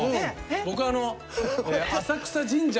僕あの。